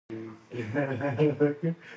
ډیپلوماسي د سیاست پوهانو لپاره مهم تمرکز دی.